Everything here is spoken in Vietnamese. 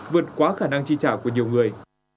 vượt quá khả năng chi trả của nhiều người